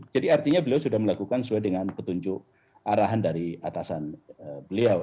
jadi artinya beliau sudah melakukan sesuai dengan petunjuk arahan dari atasan beliau